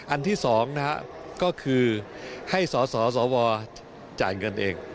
อันที่๒นะฮะก็คือให้สสวจ่ายเงินเอง